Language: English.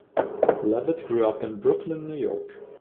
Levitt grew up in Brooklyn, New York.